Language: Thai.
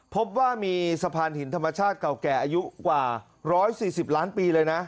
พบว่ามีสะพานหินธรรมชาติเก่าแก่อายุกว่า๑๔๐ล้านปีเลยนะ